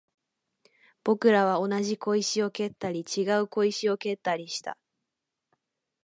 僕らは同じ小石を蹴ったり、違う小石を蹴ったりした